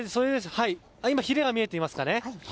ひれが見えていますかね。